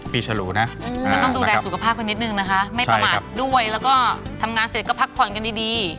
ฉลูนะก็ต้องดูแลสุขภาพกันนิดนึงนะคะไม่ประมาทด้วยแล้วก็ทำงานเสร็จก็พักผ่อนกันดี